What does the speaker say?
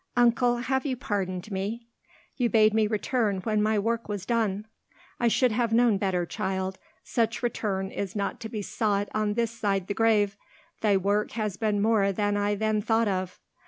"Uncle, have you pardoned me? You bade me return when my work was done." "I should have known better, child. Such return is not to be sought on this side the grave. Thy work has been more than I then thought of."